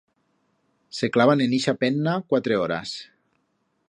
Se clavan en ixa penna cuatre horas.